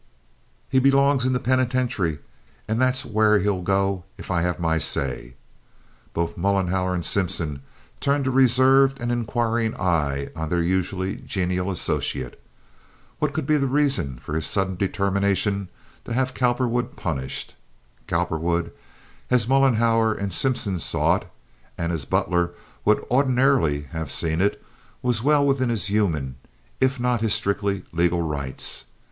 He belongs in the penitentiary, and that's where he'll go if I have my say." Both Mollenhauer and Simpson turned a reserved and inquiring eye on their usually genial associate. What could be the reason for his sudden determination to have Cowperwood punished? Cowperwood, as Mollenhauer and Simpson saw it, and as Butler would ordinarily have seen it, was well within his human, if not his strictly legal rights.